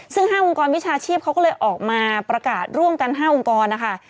ซึ่ง๕องค์กรวิชาชีพเขาก็เลยออกมาประกาศร่วมกัน๕องค์กรนะคะ